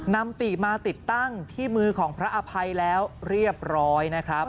นำปี่มาติดตั้งที่มือของพระอภัยแล้วเรียบร้อยนะครับ